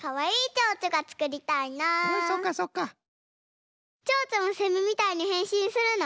チョウチョもセミみたいにへんしんするの？